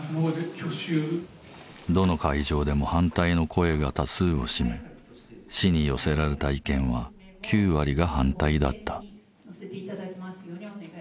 どの会場でも反対の声が多数を占め市に寄せられた意見は９割が反対だった。